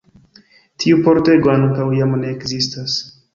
Tiu pordego ankaŭ jam ne ekzistas.